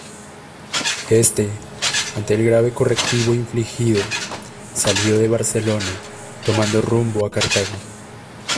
Éste, ante el grave correctivo infligido salió de Barcelona tomando rumbo a Cartago.